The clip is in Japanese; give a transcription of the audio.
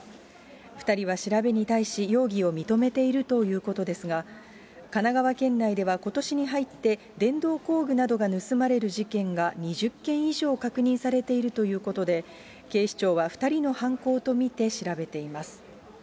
２人は調べに対し、容疑を認めているということですが、神奈川県内では、ことしに入って電動工具などが盗まれる事件が２０件以上確認されているということで、警視庁は２人の犯行と見て調べています。